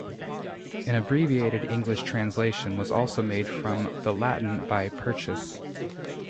An abbreviated English translation was also made from the Latin by Purchas.